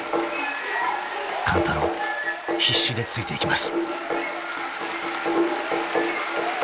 ［勘太郎必死でついていきます］